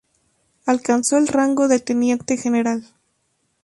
Alcanzó el rango de teniente general.